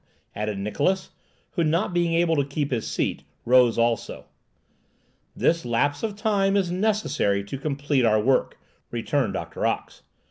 added Niklausse, who, not being able to keep his seat, rose also. "This lapse of time is necessary to complete our work," returned Doctor Ox.